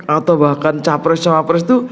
atau bahkan capres capres itu